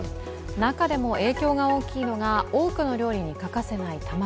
中でも影響が大きいのが多くの料理に欠かせない卵。